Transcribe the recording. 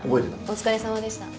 お疲れさまでした。